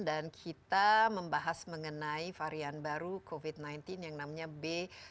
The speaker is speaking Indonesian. dan kita membahas mengenai varian baru covid sembilan belas yang namanya b satu ratus tujuh belas